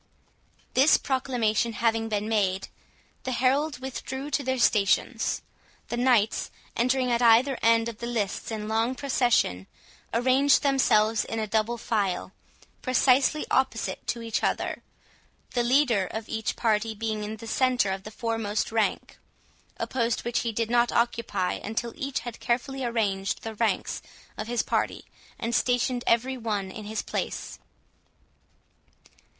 This proclamation having been made, the heralds withdrew to their stations. The knights, entering at either end of the lists in long procession, arranged themselves in a double file, precisely opposite to each other, the leader of each party being in the centre of the foremost rank, a post which he did not occupy until each had carefully marshalled the ranks of his party, and stationed every one in his place.